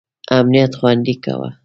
امنیت خوندي کاوه.